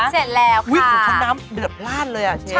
เสร็จแล้วค่ะอุ๊ยข้างน้ำเดือดปล้านเลยอ่ะเชฟ